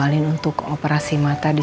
rena teliti juga ya